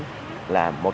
kết quả tốt